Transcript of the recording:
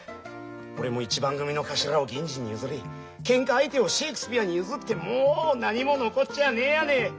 俺も一番組の頭を銀次に譲りケンカ相手をシェークスピアに譲ってもう何も残っちゃねえやね。